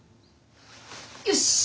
よし。